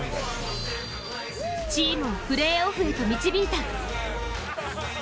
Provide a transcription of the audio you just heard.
チームをプレーオフへと導いた。